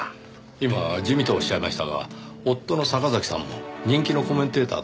今地味とおっしゃいましたが夫の坂崎さんも人気のコメンテーターですねぇ。